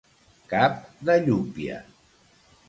Cap de llúpia.